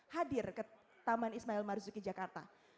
hadir ke taman ismail marzuki jakarta